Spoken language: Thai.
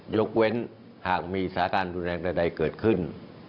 ยกเว้นห้ามีสถาอาการดูแลงใดเกิดขึ้น